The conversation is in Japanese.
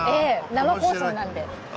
生放送なので。